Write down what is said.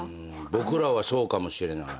僕らはそうかもしれない。